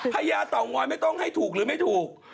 ญาเต่างอยไม่ต้องให้ถูกหรือไม่ถูก